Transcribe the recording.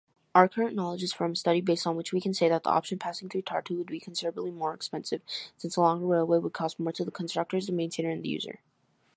Our current knowledge is from a study, based on which we can say that the option passing through Tartu would be considerably more expensive, since a longer railway would cost more to the constructors, the maintainer and the user.